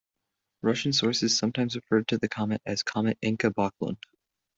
Russian sources sometimes referred to the comet as Comet Encke-Backlund.